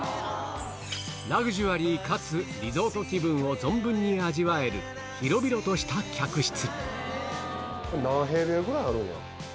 ラグジュアリーかつリゾート気分を存分に味わえる広々とした客室１５８⁉